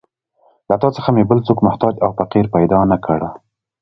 له تا څخه مې بل څوک محتاج او فقیر پیدا نه کړ.